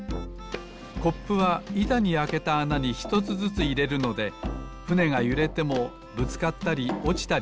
コップはいたにあけたあなにひとつずついれるのでふねがゆれてもぶつかったりおちたりしません。